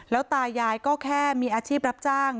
แล้วตายายก็แค่มีอาชีพรับจ้าง